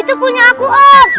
itu punya aku om